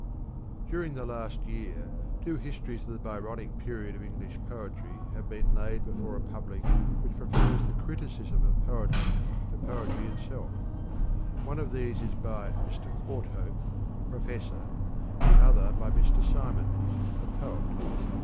DURING the last year two histories of the Byronic period of English poetry have been laid before a public which prefers the criticism of poetry to poetry itself: one of these is by Mr. Courthope, a professor, the other by Mr. Symons, a poet.